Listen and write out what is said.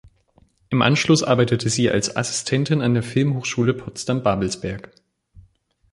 Im Anschluss arbeitete sie als Assistentin an der Filmhochschule Potsdam-Babelsberg.